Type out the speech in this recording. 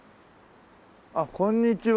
あっこんにちは。